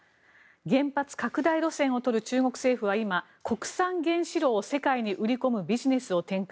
原発拡大路線を取る中国政府は今、国産原子炉を世界に売り込むビジネスを展開。